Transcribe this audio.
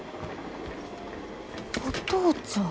お父ちゃん。